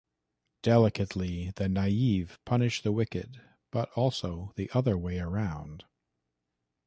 Delicately, the naive punish the wicked, but also the other way around.